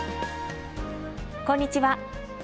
こんにちは。